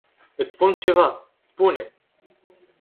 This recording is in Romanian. Iti spun ceva. Spune.